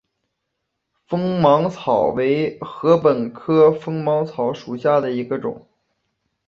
锋芒草为禾本科锋芒草属下的一个种。